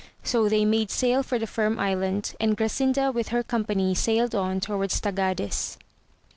So they made sail for the Firm Island, and Grasinda with her company sailed on towards Tagades.